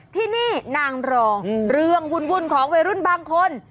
ที่นี่นางรองเรื่องวุ่นของวัยรุ่นบางคน